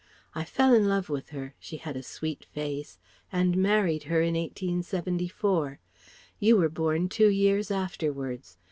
I fell in love with her she had a sweet face and married her in 1874. You were born two years afterwards.